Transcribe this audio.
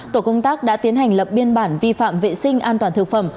tổ công tác đã tiến hành lập biên bản vi phạm vệ sinh an toàn thực phẩm